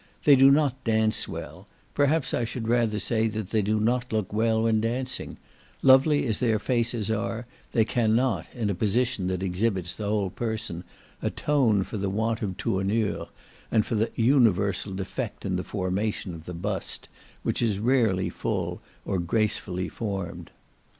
They do not dance well; perhaps I should rather say they do not look well when dancing; lovely as their faces are, they cannot, in a position that exhibits the whole person, atone for the want of tournure, and for the universal defect in the formation of the bust, which is rarely full, or gracefully formed.